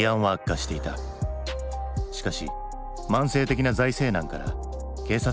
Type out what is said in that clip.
しかし慢性的な財政難から警察官は削減。